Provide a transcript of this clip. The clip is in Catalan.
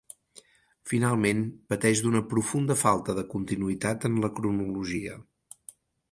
Finalment, pateix d'una profunda falta de continuïtat en la cronologia.